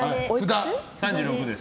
３６です。